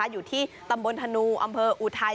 อยู่ที่ตำบลธนูอำเภออุทัย